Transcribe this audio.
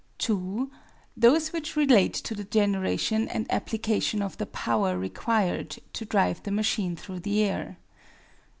(2) Those which relate to the generation and application of the power required to drive the machine through the air.